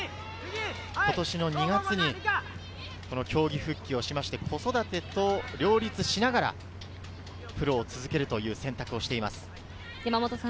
今年の２月に競技復帰して子育てと両立しながら、プロを続けるという選択をしています。